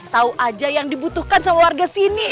tahu aja yang dibutuhkan sama warga sini